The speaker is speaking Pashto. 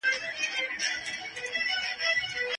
توقف بايد وسي.